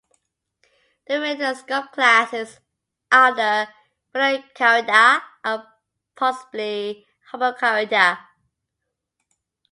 The remaining subclasses are the Phyllocarida and possibly the Hoplocarida.